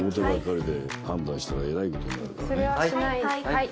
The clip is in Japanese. はい！